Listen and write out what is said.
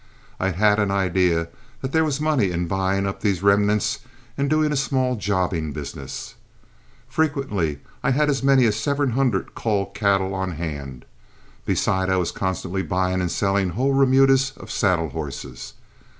I had an idea that there was money in buying up these remnants and doing a small jobbing business. Frequently I had as many as seven hundred cull cattle on hand. Besides, I was constantly buying and selling whole remudas of saddle horses.